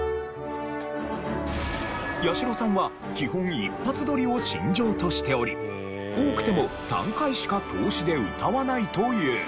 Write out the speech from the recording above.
八代さんは基本一発録りを身上としており多くても３回しか通しで歌わないという。